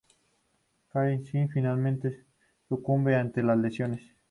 Christine finalmente sucumbe ante las lesiones.